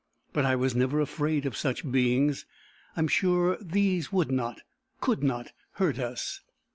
But I was never afraid of such beings. I am sure these would not, could not hurt us."